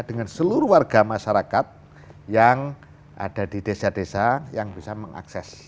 dengan seluruh warga masyarakat yang ada di desa desa yang bisa mengakses